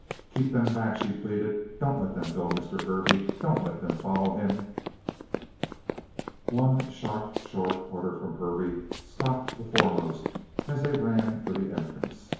"Keep them back!" she pleaded. "Don't let them go, Mr. Hervey. Don't let them follow him!" One sharp, short order from Hervey stopped the foremost as they ran for the entrance.